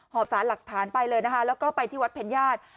บสารหลักฐานไปเลยนะคะแล้วก็ไปที่วัดเพญญาติ